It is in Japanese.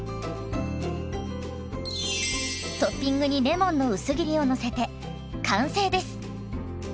トッピングにレモンの薄切りをのせて完成です。